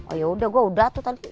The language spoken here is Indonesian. oh ya udah gua udah tuh tadi